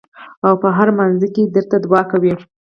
او پۀ هر مانځه کښې درته دعا کوي ـ